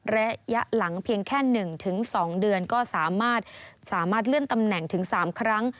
ระยะหลังเพียงแค่๑๒เดือนก็สามารถเลื่อนตำแหน่งถึง๓ครั้ง